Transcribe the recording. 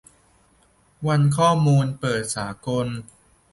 วันข้อมูลเปิดสากล